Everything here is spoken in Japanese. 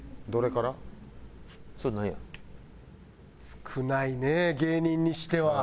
少ないね芸人にしては。